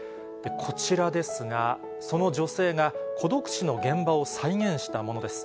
こちらですが、その女性が孤独死の現場を再現したものです。